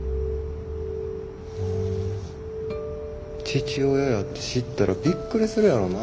父親やって知ったらびっくりするやろな。